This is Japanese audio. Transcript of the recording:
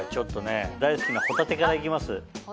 大好きな帆立からいきます。